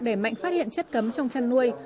về việc để mạnh phát hiện chất cấm trong chăn nuôi